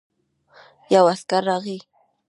يو عسکر راغی.